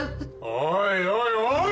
おいおいおーい！